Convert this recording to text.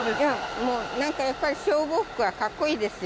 もう、なんかやっぱり、消防服はかっこいいですよ。